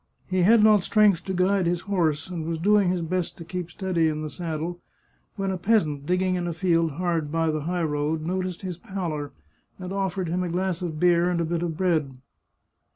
He had not strength to guide his horse, and was doing his best to keep steady in the saddle, when a peasant digging in a field hard by the high road noticed his pallor, and offered him a glass of beer and a bit of bread.